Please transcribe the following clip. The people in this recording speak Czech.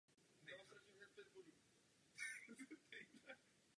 Osově přistavěna k průčelí hranolová věž.